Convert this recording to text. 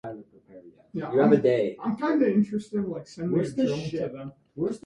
Ball began his cricket career in Cairns.